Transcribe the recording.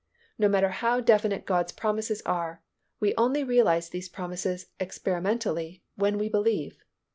No matter how definite God's promises are, we only realize these promises experimentally when we believe.